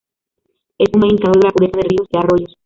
Es un buen indicador de la pureza de ríos y arroyos.